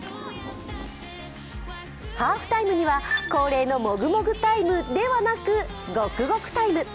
ハーフタイムには恒例のもぐもぐタイムではなく、ごくごくタイム。